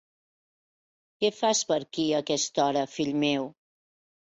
Què fas per aquí a aquesta hora, fill meu?